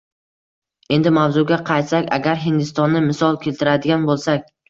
Endi mavzuga qaytsak, agar Hindistonni misol keltiradigan boʻlsak